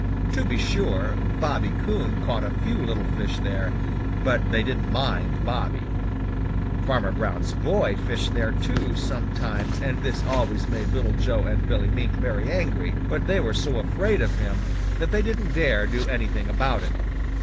To be sure Bobby Coon caught a few little fish there, but they didn't mind Bobby. Farmer Brown's boy fished there too, sometimes, and this always made Little Joe and Billy Mink very angry, but they were so afraid of him that they didn't dare do anything about it.